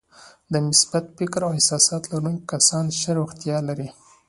د مثبت فکر او احساساتو لرونکي کسان ښه روغتیا لري.